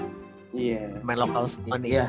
pemain lokal semua nih